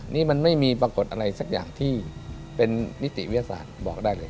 นี่มันไม่มีปรากฏอะไรสักอย่างที่เป็นนิติวิทยาศาสตร์บอกได้เลย